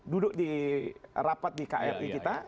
duduk di rapat di kri kita